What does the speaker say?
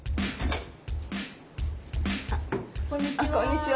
こんにちは。